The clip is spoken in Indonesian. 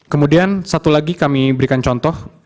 kemudian satu lagi kami berikan contoh